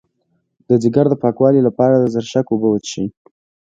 د ځیګر د پاکوالي لپاره د زرشک اوبه وڅښئ